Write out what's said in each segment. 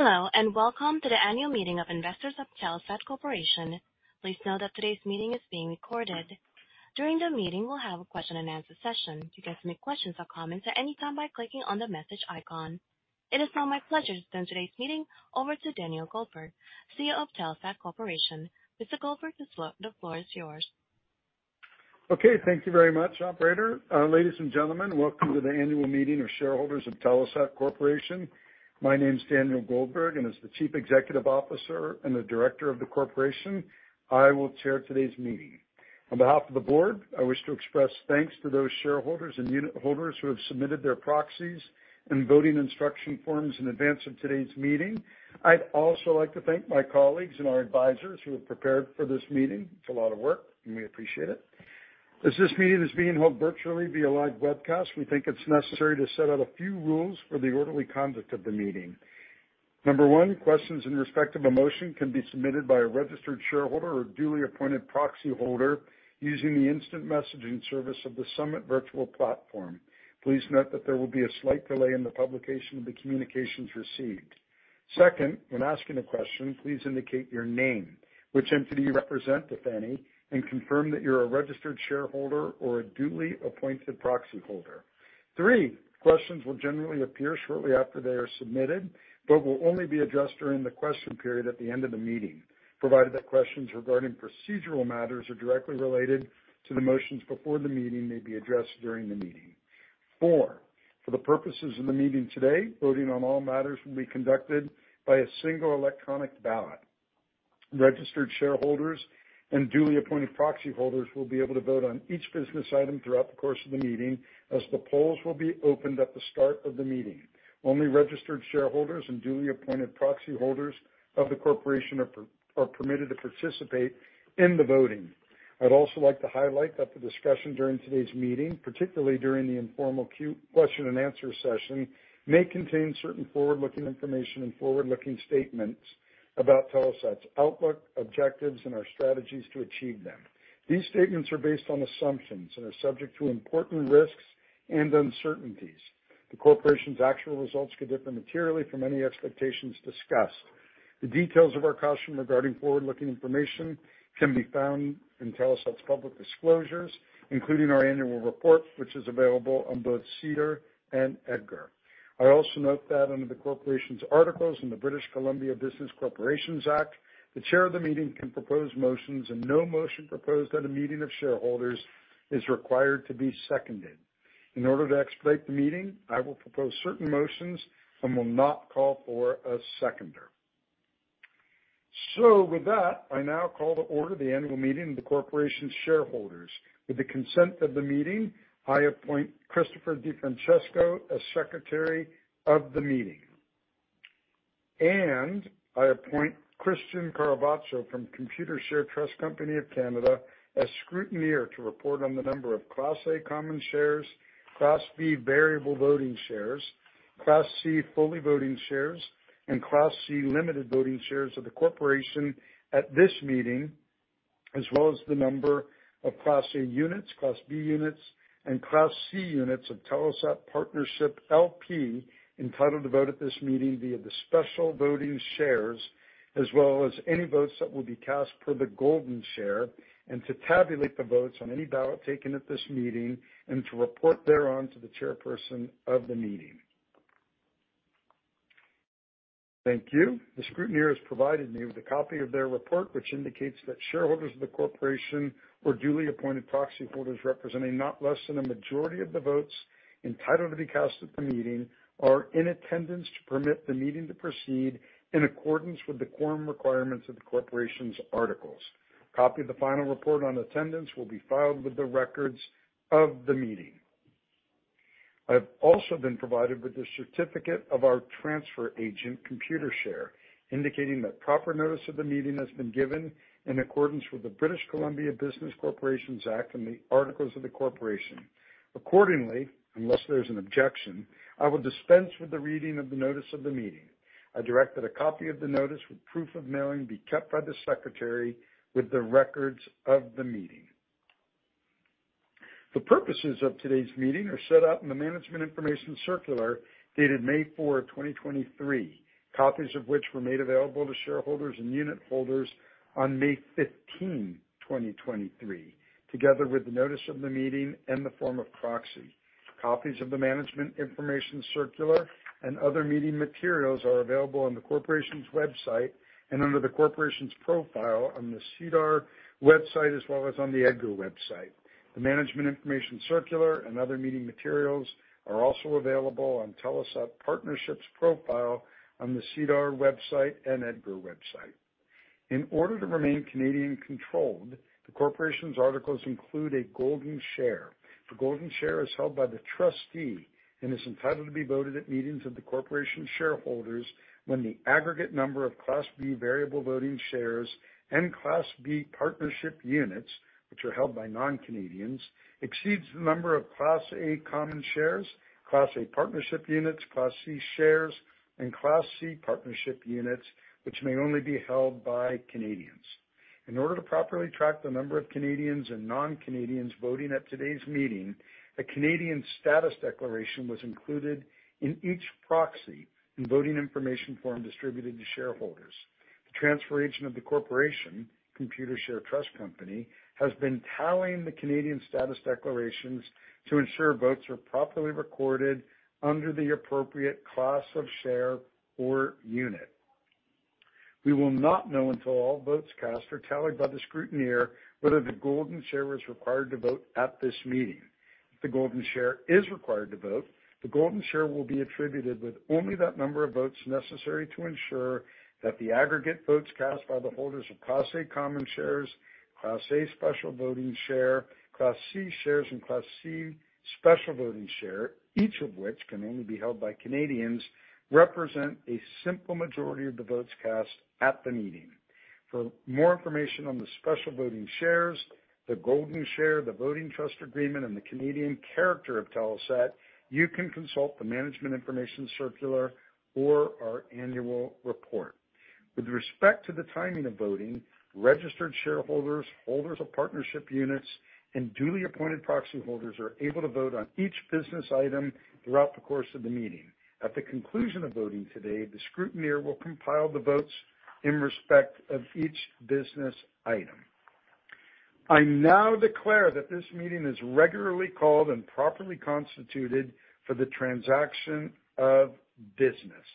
Hello, welcome to the annual meeting of investors of Telesat Corporation. Please note that today's meeting is being recorded. During the meeting, we'll have a question-and-answer session. You can submit questions or comments at any time by clicking on the message icon. It is now my pleasure to turn today's meeting over to Daniel Goldberg, CEO of Telesat Corporation. Mr. Goldberg, the floor is yours. Okay, thank you very much, operator. Ladies and gentlemen, welcome to the annual meeting of shareholders of Telesat Corporation. My name is Daniel Goldberg, and as the Chief Executive Officer and the Director of the Corporation, I will chair today's meeting. On behalf of the board, I wish to express thanks to those shareholders and unitholders who have submitted their proxies and voting instruction forms in advance of today's meeting. I'd also like to thank my colleagues and our advisors who have prepared for this meeting. It's a lot of work, and we appreciate it. As this meeting is being held virtually via live webcast, we think it's necessary to set out a few rules for the orderly conduct of the meeting. Number one, questions in respect of a motion can be submitted by a registered shareholder or duly appointed proxyholder using the instant messaging service of the Summit Virtual Platform. Please note that there will be a slight delay in the publication of the communications received. Second, when asking a question, please indicate your name, which entity you represent, if any, and confirm that you're a registered shareholder or a duly appointed proxyholder. Three, questions will generally appear shortly after they are submitted, but will only be addressed during the question period at the end of the meeting, provided that questions regarding procedural matters are directly related to the motions before the meeting may be addressed during the meeting. Four, for the purposes of the meeting today, voting on all matters will be conducted by a single electronic ballot. Registered shareholders and duly appointed proxyholders will be able to vote on each business item throughout the course of the meeting, as the polls will be opened at the start of the meeting. Only registered shareholders and duly appointed proxyholders of the corporation are permitted to participate in the voting. I'd also like to highlight that the discussion during today's meeting, particularly during the informal question-and-answer session, may contain certain forward-looking information and forward-looking statements about Telesat's outlook, objectives, and our strategies to achieve them. These statements are based on assumptions and are subject to important risks and uncertainties. The corporation's actual results could differ materially from any expectations discussed. The details of our caution regarding forward-looking information can be found in Telesat's public disclosures, including our annual report, which is available on both SEDAR and EDGAR. I also note that under the corporation's articles in the British Columbia Business Corporations Act, the chair of the meeting can propose motions, and no motion proposed at a meeting of shareholders is required to be seconded. In order to expedite the meeting, I will propose certain motions and will not call for a seconder. With that, I now call to order the annual meeting of the corporation's shareholders. With the consent of the meeting, I appoint Christopher DiFrancesco as Secretary of the Meeting, and I appoint Christian Caravaggio from Computershare Trust Company of Canada as Scrutineer to report on the number of Class A Common Shares, Class B Variable Voting Shares, Class C Fully Voting Shares, and Class C Limited Voting Shares of the corporation at this meeting, as well as the number of Class A Units, Class B Units, and Class C Units of Telesat Partnership LP, entitled to vote at this meeting via the Special Voting Shares, as well as any votes that will be cast per the Golden Share, and to tabulate the votes on any ballot taken at this meeting, and to report thereon to the chairperson of the meeting. Thank you. The scrutineer has provided me with a copy of their report, which indicates that shareholders of the corporation or duly appointed proxyholders representing not less than a majority of the votes entitled to be cast at the meeting, are in attendance to permit the meeting to proceed in accordance with the quorum requirements of the corporation's articles. Copy of the final report on attendance will be filed with the records of the meeting. I've also been provided with a certificate of our transfer agent, Computershare, indicating that proper notice of the meeting has been given in accordance with the British Columbia Business Corporations Act and the articles of the corporation. Accordingly, unless there's an objection, I will dispense with the reading of the notice of the meeting. I direct that a copy of the notice with proof of mailing be kept by the secretary with the records of the meeting. The purposes of today's meeting are set out in the Management Information Circular, dated May 4, 2023, copies of which were made available to shareholders and unitholders on May 15, 2023, together with the notice of the meeting and the form of proxy. Copies of the Management Information Circular and other meeting materials are available on the corporation's website and under the corporation's profile on the SEDAR website, as well as on the EDGAR website. The Management Information Circular and other meeting materials are also available on Telesat Partnership profile on the SEDAR website and EDGAR website. In order to remain Canadian-controlled, the corporation's articles include a Golden Share. The Golden Share is held by the trustee and is entitled to be voted at meetings of the corporation's shareholders when the aggregate number of Class B Variable Voting Shares and Class B partnership units, which are held by non-Canadians, exceeds the number of Class A Common Shares, Class A partnership units, Class C shares, and Class C partnership units, which may only be held by Canadians. In order to properly track the number of Canadians and non-Canadians voting at today's meeting, a Canadian status declaration was included in each proxy and voting information form distributed to shareholders. The transfer agent of the corporation, Computershare Trust Company, has been tallying the Canadian status declarations to ensure votes are properly recorded under the appropriate class of share or unit. We will not know until all votes cast are tallied by the scrutineer whether the Golden Share was required to vote at this meeting. If the Golden Share is required to vote, the Golden Share will be attributed with only that number of votes necessary to ensure that the aggregate votes cast by the holders of Class A Common Shares, Class A Special Voting Share, Class C shares, and Class C Special Voting Share, each of which can only be held by Canadians, represent a simple majority of the votes cast at the meeting. For more information on the Special Voting Shares, the Golden Share, the Trust Voting Agreement, and the Canadian character of Telesat, you can consult the Management Information Circular or our annual report. With respect to the timing of voting, registered shareholders, holders of partnership units, and duly appointed proxy holders are able to vote on each business item throughout the course of the meeting. At the conclusion of voting today, the scrutineer will compile the votes in respect of each business item. I now declare that this meeting is regularly called and properly constituted for the transaction of business.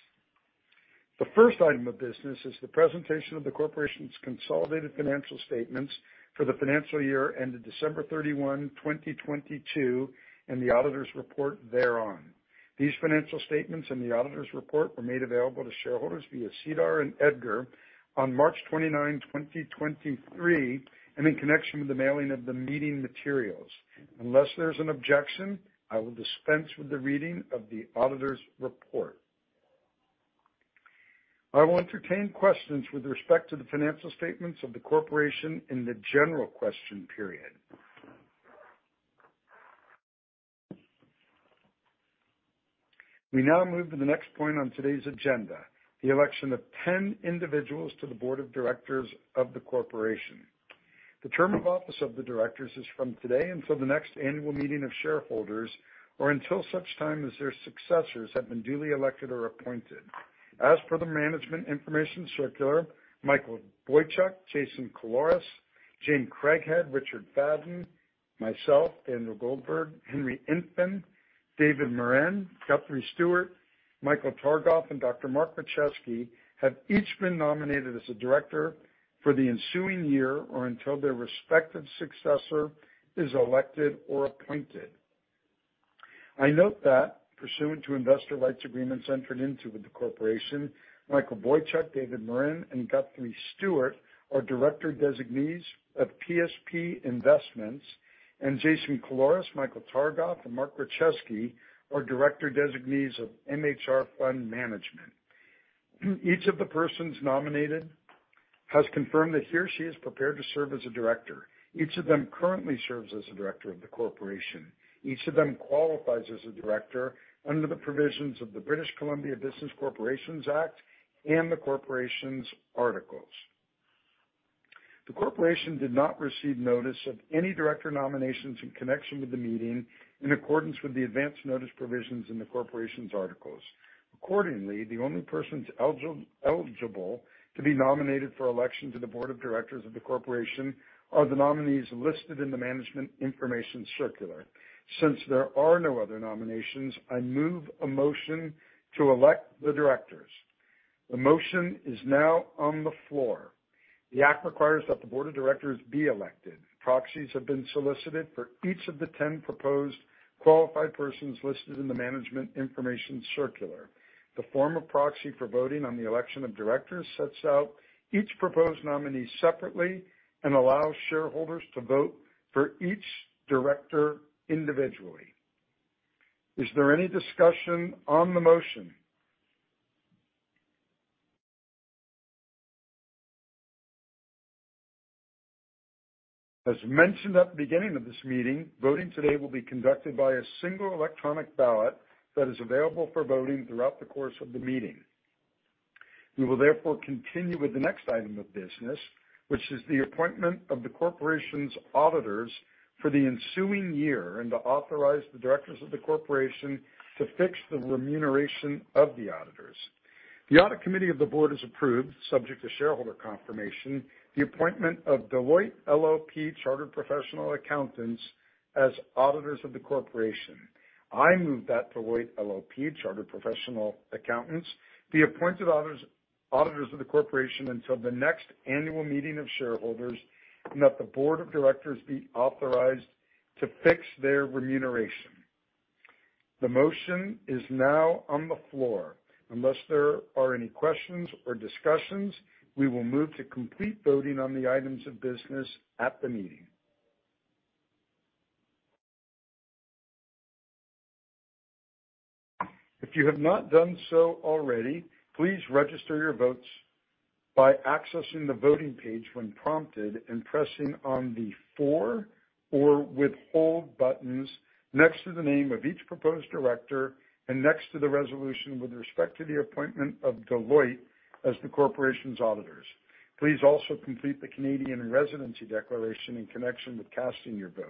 The first item of business is the presentation of the corporation's consolidated financial statements for the financial year ended December 31, 2022, and the auditor's report thereon. These financial statements and the auditor's report were made available to shareholders via SEDAR and EDGAR on March 29, 2023, and in connection with the mailing of the meeting materials. Unless there's an objection, I will dispense with the reading of the auditor's report. I will entertain questions with respect to the financial statements of the corporation in the general question period. We now move to the next point on today's agenda, the election of 10 individuals to the board of directors of the corporation. The term of office of the directors is from today until the next annual meeting of shareholders or until such time as their successors have been duly elected or appointed. As per the Management Information Circular, Michael Boychuk, Jason Caloras, Jane Craighead, Richard Fadden, myself, Daniel Goldberg, Henry Intven, David Morin, Guthrie Stewart, Michael Targoff, and Dr. Mark Rachesky have each been nominated as a director for the ensuing year or until their respective successor is elected or appointed. I note that pursuant to Investor Rights Agreements entered into with the corporation, Michael Boychuk, David Morin, and Guthrie Stewart are director designees of PSP Investments, and Jason Caloras, Michael Targoff, and Mark Rachesky are director designees of MHR Fund Management. Each of the persons nominated has confirmed that he or she is prepared to serve as a director. Each of them currently serves as a director of the corporation. Each of them qualifies as a director under the provisions of the British Columbia Business Corporations Act and the corporation's articles. The corporation did not receive notice of any director nominations in connection with the meeting in accordance with the advance notice provisions in the corporation's articles. Accordingly, the only persons eligible to be nominated for election to the board of directors of the corporation are the nominees listed in the Management Information Circular. Since there are no other nominations, I move a motion to elect the directors. The motion is now on the floor. The act requires that the board of directors be elected. Proxies have been solicited for each of the 10 proposed qualified persons listed in the Management Information Circular. The form of proxy for voting on the election of directors sets out each proposed nominee separately and allows shareholders to vote for each director individually. Is there any discussion on the motion? As mentioned at the beginning of this meeting, voting today will be conducted by a single electronic ballot that is available for voting throughout the course of the meeting. We will therefore continue with the next item of business, which is the appointment of the corporation's auditors for the ensuing year, and to authorize the directors of the corporation to fix the remuneration of the auditors. The audit committee of the board has approved, subject to shareholder confirmation, the appointment of Deloitte LLP Chartered Professional Accountants as auditors of the Corporation. I move that Deloitte LLP Chartered Professional Accountants be appointed auditors of the Corporation until the next annual meeting of shareholders, that the board of directors be authorized to fix their remuneration. The motion is now on the floor. Unless there are any questions or discussions, we will move to complete voting on the items of business at the meeting. If you have not done so already, please register your votes by accessing the voting page when prompted and pressing on the For or Withhold buttons next to the name of each proposed director and next to the resolution with respect to the appointment of Deloitte as the Corporation's auditors. Please also complete the Canadian Residency Declaration in connection with casting your votes.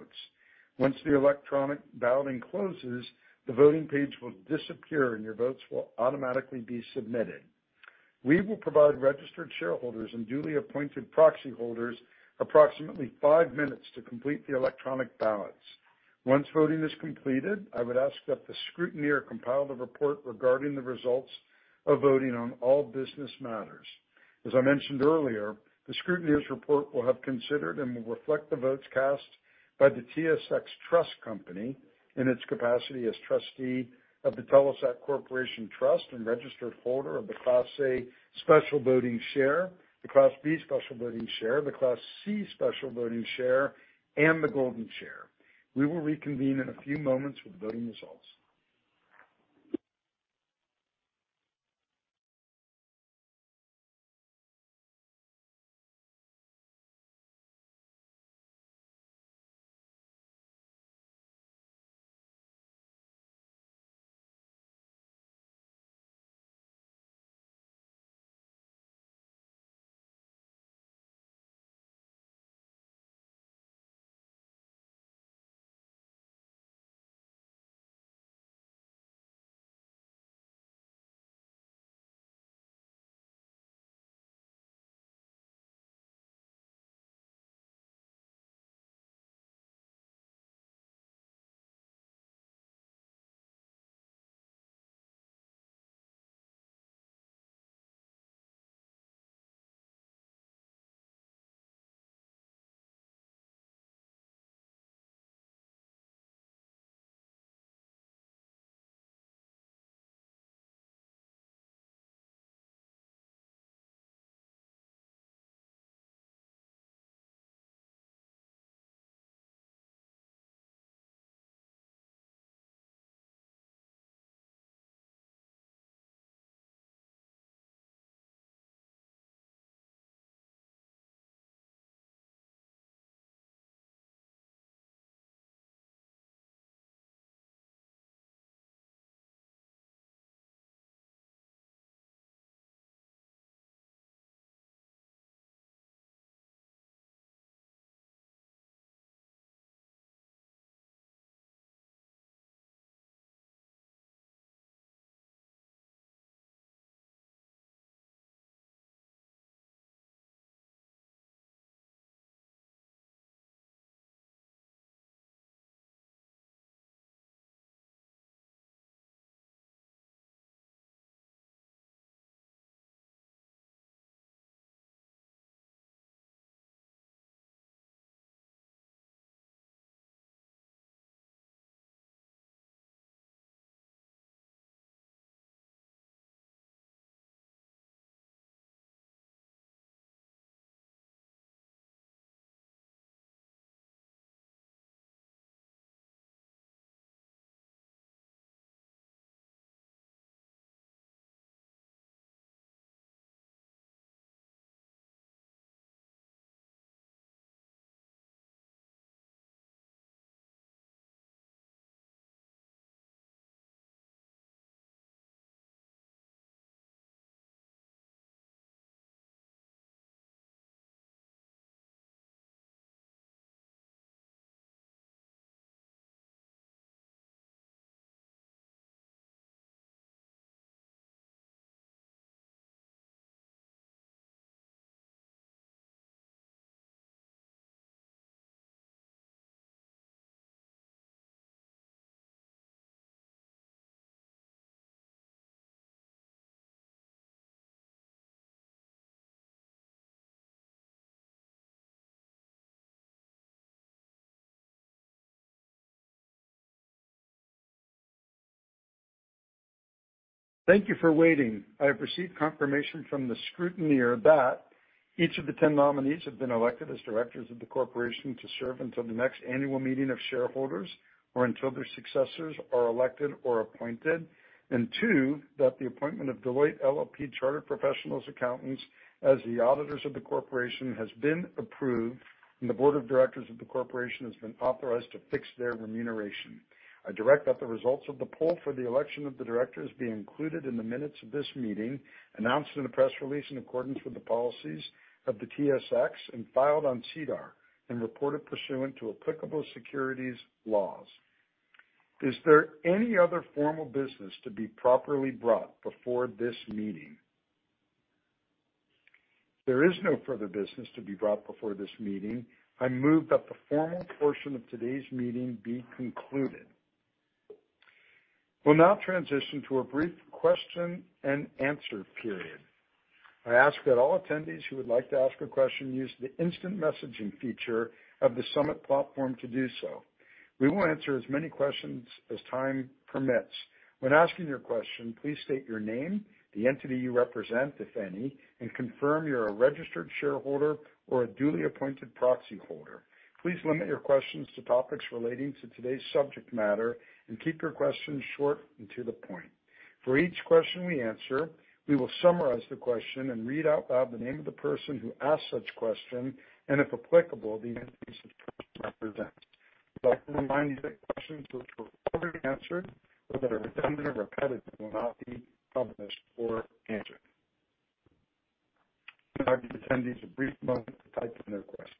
Thank you for waiting. I have received confirmation from the Scrutineer that each of the 10 nominees have been elected as directors of the corporation to serve until the next annual meeting of shareholders or until their successors are elected or appointed. 2, that the appointment of Deloitte LLP Chartered Professional Accountants as the auditors of the corporation has been approved, and the board of directors of the corporation has been authorized to fix their remuneration. I direct that the results of the poll for the election of the directors be included in the minutes of this meeting, announced in a press release in accordance with the policies of the TSX, and filed on SEDAR, and reported pursuant to applicable securities laws. Is there any other formal business to be properly brought before this meeting? There is no further business to be brought before this meeting. I move that the formal portion of today's meeting be concluded. We'll now transition to a brief question and answer period. I ask that all attendees who would like to ask a question use the instant messaging feature of the Summit platform to do so. We will answer as many questions as time permits. When asking your question, please state your name, the entity you represent, if any, and confirm you're a registered shareholder or a duly appointed proxy holder. Please limit your questions to topics relating to today's subject matter and keep your questions short and to the point. For each question we answer, we will summarize the question and read out loud the name of the person who asked such question and, if applicable, the entity such person represents. I'd like to remind you that questions which were already answered or that are redundant or repetitive will not be published or answered. I'll give attendees a brief moment to type in their questions.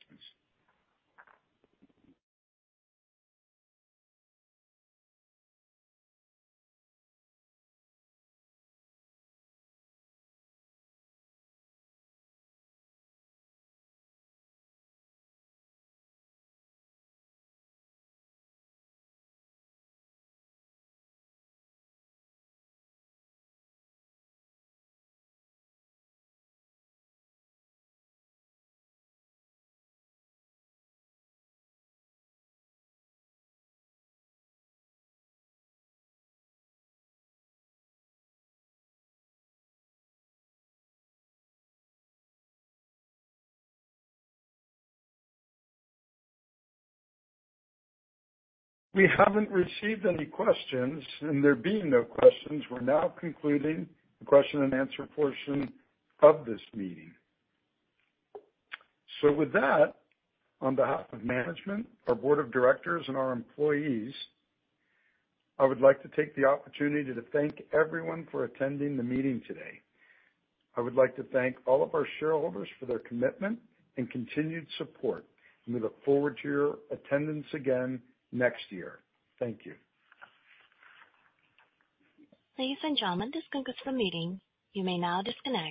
We haven't received any questions, and there being no questions, we're now concluding the question and answer portion of this meeting. With that, on behalf of management, our board of directors, and our employees, I would like to take the opportunity to thank everyone for attending the meeting today. I would like to thank all of our shareholders for their commitment and continued support, and we look forward to your attendance again next year. Thank you. Ladies and gentlemen, this concludes the meeting. You may now disconnect.